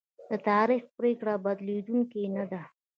د تاریخ پرېکړه بدلېدونکې نه ده.